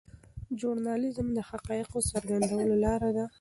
ژورنالیزم د حقایقو څرګندولو لاره ده.